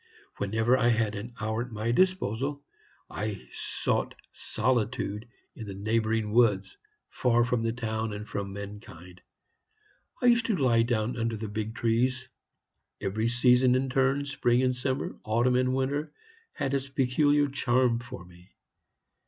Whenever I had an hour at my disposal, I sought solitude in the neighboring woods, far from the town and from mankind. I used to lie down under the big trees. Every season in turn, spring and summer, autumn and winter, had its peculiar charm for me.